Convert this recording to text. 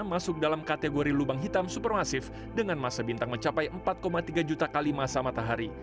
masuk dalam kategori lubang hitam supermasif dengan masa bintang mencapai empat tiga juta kali masa matahari